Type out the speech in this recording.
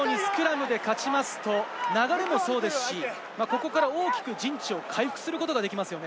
大西さん、今のようにスクラムで勝つと流れもそうですし、ここから大きく陣地を回復することができますよね。